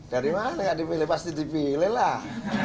dari mana nggak dipilih pasti dipilih lah